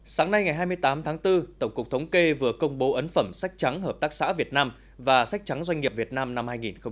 sáng nay ngày hai mươi tám tháng bốn tổng cục thống kê vừa công bố ấn phẩm sách trắng hợp tác xã việt nam và sách trắng doanh nghiệp việt nam năm hai nghìn hai mươi